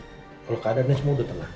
kalau keadaannya cuma udah telah